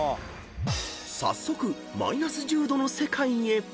［早速マイナス１０℃の世界へ］